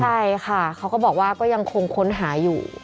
ใช่ค่ะเขาก็บอกว่าก็ยังคงค้นหาอยู่